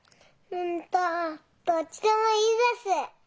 うんとどっちでもいいです。